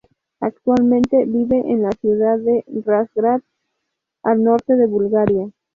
Actualmente vive en la ciudad de Razgrad, al noreste de Bulgaria.